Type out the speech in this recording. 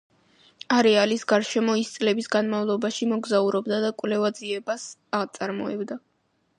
არეალის გარშემო ის წლების განმავლობაში მოგზაურობდა და კვლევა-ძიებას აწარმოებდა.